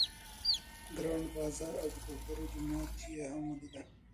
ګرانډ بازار او کوترو جومات یې هم ولیدل.